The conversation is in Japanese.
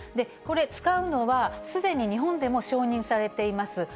これ、使うのは、すでに日本でも承認されています